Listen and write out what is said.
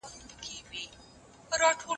که خاوند يا ميرمن مشرکين وي څه بايد وسي؟